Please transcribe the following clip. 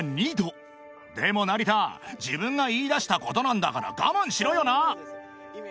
［でも成田自分が言いだしたことなんだから我慢しろよな］